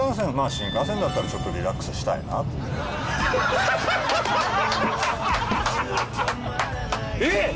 新幹線だったらちょっとリラックスしたいなってえっ！